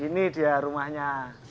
ini dia rumahnya